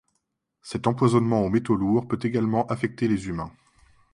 Cet empoisonnement aux métaux lourds peut également affecter les humains.